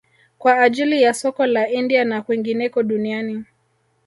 Kwa ajili ya soko la India na kwingineko duniani